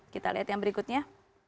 kita lihat yang berikutnya